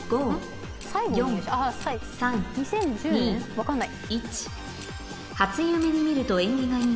分かんない。